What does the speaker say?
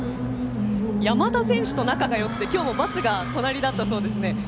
山田選手と仲がよくて今日もバスが隣だったそうですね。